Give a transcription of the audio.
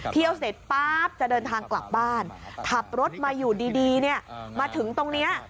เที่ยวเสร็จป๊าบจะเดินทางกลับบ้านขับรถมาอยู่ดีเนี่ยมาถึงตรงนี้